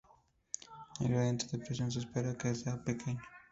El gradiente de presión se espera que sea pequeño.